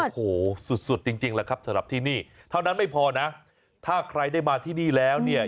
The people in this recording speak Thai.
โอ้โหสุดสุดจริงแล้วครับสำหรับที่นี่เท่านั้นไม่พอนะถ้าใครได้มาที่นี่แล้วเนี่ย